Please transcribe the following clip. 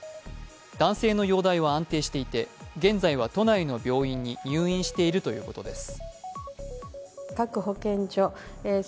男性の容体は安定していて、現在は都内の病院に入院しているということです。